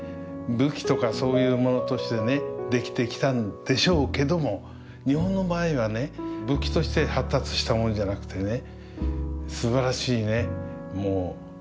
武器とかそういうものとしてね出来てきたんでしょうけども日本の場合はね武器として発達したものじゃなくてね